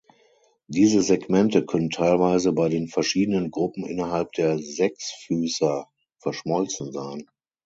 Diese Segmente können teilweise bei den verschiedenen Gruppen innerhalb der Sechsfüßer verschmolzen sein.